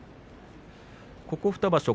ここ２場所